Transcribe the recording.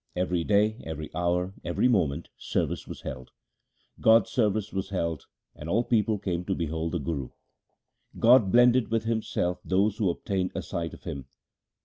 Every day, every hour, and every moment service was held ; God's service was held, and all people came to behold the Guru. God blended with Himself those who obtained a sight of him.